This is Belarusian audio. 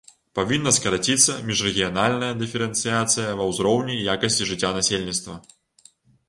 Павінна скараціцца міжрэгіянальная дыферэнцыяцыя ва ўзроўні і якасці жыцця насельніцтва.